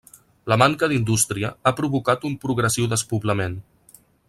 La manca d'indústria ha provocat un progressiu despoblament.